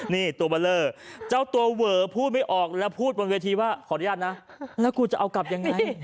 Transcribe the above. นี่ตัวเบอร์เลอร์เจ้าตัวเวอพูดไม่ออกแล้วพูดบนเวทีว่าขออนุญาตนะแล้วกูจะเอากลับยังไง